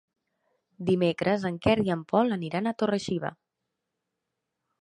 Dimecres en Quer i en Pol aniran a Torre-xiva.